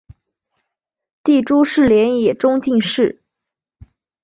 弟朱士廉也中进士。